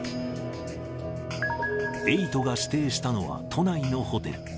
エイトが指定したのは都内のホテル。